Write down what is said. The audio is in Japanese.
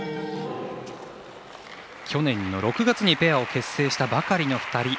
去年の６月にペアを結成したばかりの２人。